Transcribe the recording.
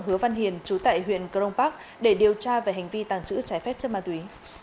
hứa văn hiền chú tại huyện crong park để điều tra về hành vi tàng trữ trái phép chất ma túy